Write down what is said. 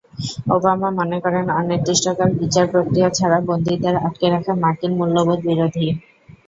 Obama মনে করেন, অনির্দিষ্টকাল বিচার প্রক্রিয়া ছাড়া বন্দীদের আটকে রাখা মার্কিন মূল্যবোধ বিরোধী।